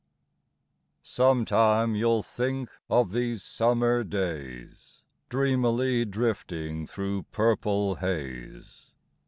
OMETIME you'll think of these summer days Dreamily drifting through purple haze.